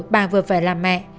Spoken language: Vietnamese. bà vừa phải làm mẹ